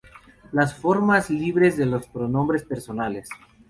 Las formas libres de los pronombres personales.